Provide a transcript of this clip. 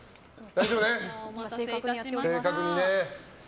正確にね。